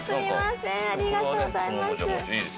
ありがとうございます。